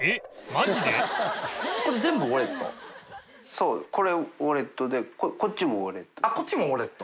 そうこれウォレットでこっちもウォレット。